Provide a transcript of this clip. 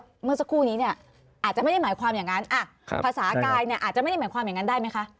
เมื่อสักครู่นี้เนี่ยอาจจะไม่ได้หมายความอย่างนั้นภาษากายเนี่ยอาจจะไม่ได้หมายความอย่างนั้นได้ไหมคะ